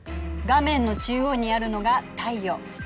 画面の中央にあるのが太陽。